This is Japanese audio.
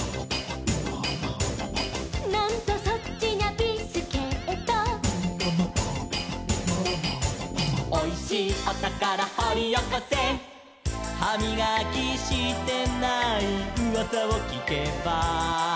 「なんとそっちにゃビスケット」「おいしいおたからほりおこせ」「はみがきしてないうわさをきけば」